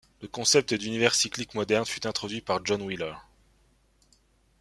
Le concept d'univers cyclique moderne fut introduit par John Wheeler.